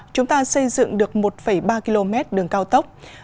chúng ta xây dựng được một ba km đường cao tốc